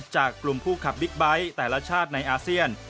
จากกลุ่มผู้ขับบิ๊กไบท์แต่ละชาติในอาเซียน